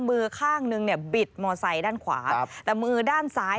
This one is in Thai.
มือข้างหนึ่งบิดมอสไซด์ด้านขวาแต่มือด้านซ้าย